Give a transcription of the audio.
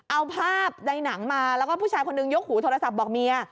เอาภาพในหนังมาแล้วก็ผู้ชายคนนึงยกหูโทรศัพท์บอกเมีย